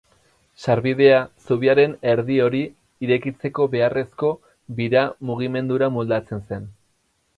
Sarbidea zubiaren erdi hori irekitzeko beharrezko bira-mugimendura moldatzen zen.